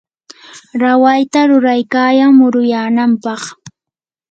rawayta ruraykayan muruyanampaq.